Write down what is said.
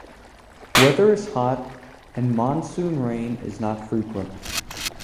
Weather is hot and monsoon rain is not frequent.